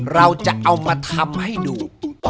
เราจะเอามาทำให้ดู